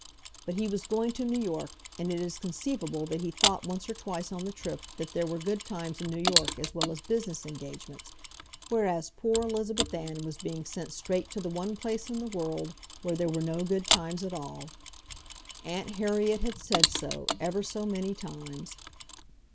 But he was going to New York, and it is conceivable that he thought once or twice on the trip that there were good times in New York as well as business engagements, whereas poor Elizabeth Ann was being sent straight to the one place in the world where there were no good times at all. Aunt Harriet had said so, ever so many times.